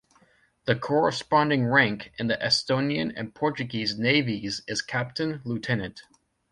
The corresponding rank in the Estonian and Portuguese navies is captain lieutenant.